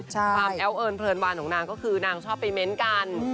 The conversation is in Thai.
ความแอ้วเอิญเพลินวานของนางก็คือนางชอบไปเม้นกัน